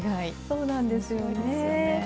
そうなんですよねぇ